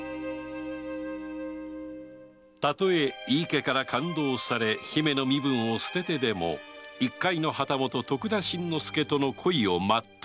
たとえ井伊家から勘当され姫の身分を捨ててでも一介の旗本・徳田新之助との恋を全うしたい